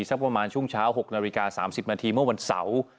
สักประมาณช่วงเช้า๖นาฬิกา๓๐นาทีเมื่อวันเสาร์